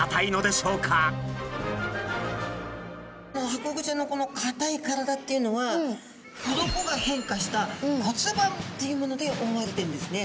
ハコフグちゃんのこのかたい体っていうのは鱗が変化した骨板っていうものでおおわれてるんですね。